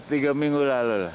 tiga minggu lalu